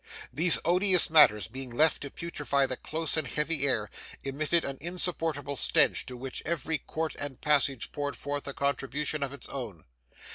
These odious matters being left to putrefy in the close and heavy air, emitted an insupportable stench, to which every court and passage poured forth a contribution of its own.